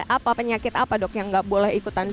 apa penyakit apa dok yang gak boleh ikutan zumba